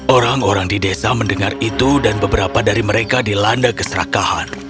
orang orang di desa mendengar itu dan beberapa dari mereka dilanda keserakahan